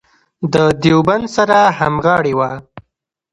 د دیوبند سره همغاړې وه.